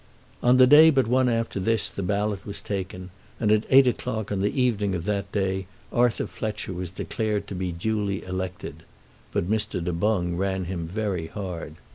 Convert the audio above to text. On the day but one after this the ballot was taken, and at eight o'clock on the evening of that day Arthur Fletcher was declared to be duly elected. But Mr. Du Boung ran him very hard.